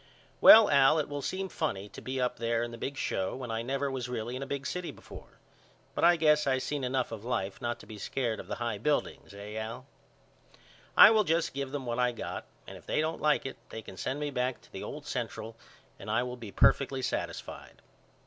Well Al it will seem funny to be up there in the big show when I never was really in a big city before. But I guess I seen enough of life not to be scared of the high buildings eh Al? I will just give them what I got and if they don't like it they can send me back to the old Central and I will be perfectly satisfied.